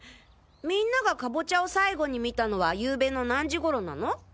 みんながカボチャを最後に見たのはゆうべの何時ごろなの？